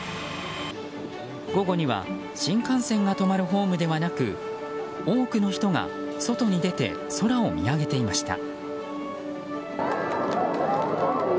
午後には新幹線が止まるホームではなく多くの人が外に出て空を見上げていました。